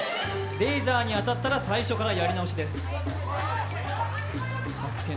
レーザーに当たったら最初からやり直しです。